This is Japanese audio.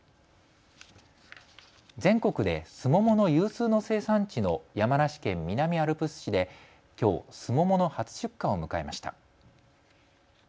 全国でスモモの有数の生産地の山梨県南アルプス市できょう、スモモの初出荷を迎えました。